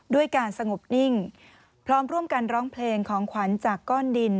ด้วยการสงบนิ่งพร้อมร่วมกันร้องเพลงของขวัญจากก้อนดิน